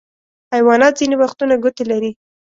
حیوانات ځینې وختونه ګوتې لري.